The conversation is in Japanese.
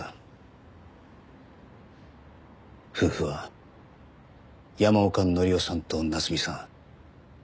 夫婦は山岡紀夫さんと夏美さん。